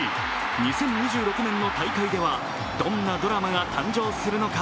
２０２６年の大会ではどんなドラマが誕生するのか